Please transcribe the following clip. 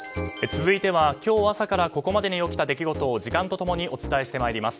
続いては今日朝からここまでに起きた出来事を時間とともにお伝えしてまいります。